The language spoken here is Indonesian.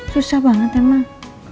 susah banget ya emang